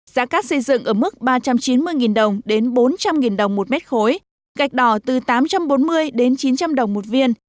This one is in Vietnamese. giá cát xây dựng ở mức ba trăm chín mươi đồng đến bốn trăm linh đồng một mét khối gạch đỏ từ tám trăm bốn mươi đến chín trăm linh đồng một viên